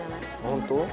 本当？